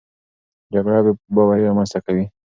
جګړه بېباوري رامنځته کوي.